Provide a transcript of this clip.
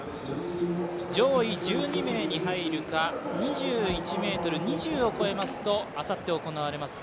上位１２名に入るか２１ｍ２０を超えますとあさって行われます